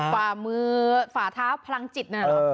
ฝ่ามือฝ่าท้าพลังจิต